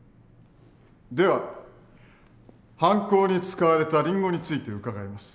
では犯行に使われたリンゴについて伺います。